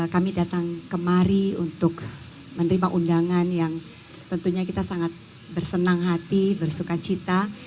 kami datang kemari untuk menerima undangan yang tentunya kita sangat bersenang hati bersuka cita